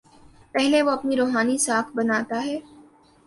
پہلے وہ اپنی روحانی ساکھ بناتا ہے۔